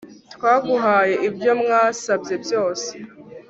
Twaguhaye ibyo wasabye byose